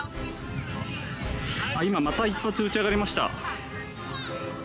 今、また１発打ち上がりました。